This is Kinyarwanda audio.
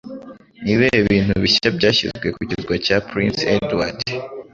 Nibihe bintu bishya byashyizwe ku kirwa cya Prince Edward?